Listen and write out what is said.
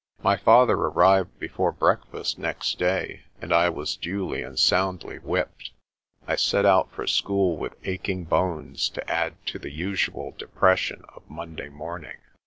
My father arrived before breakfast next day, and I was duly and soundly whipped. I set out for school with aching bones to add to the usual depression of Monday morning.